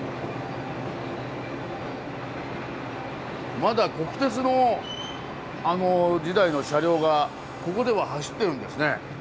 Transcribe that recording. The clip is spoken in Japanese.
まだ国鉄の時代の車両がここでは走ってるんですね。